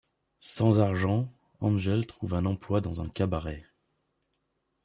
Sans argent, Angel trouve un emploi dans un cabaret.